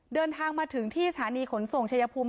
เดินทางมาถึงที่สถานีขนส่งชายภูมิ